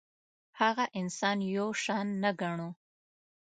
هغه انسان یو شان نه ګڼو.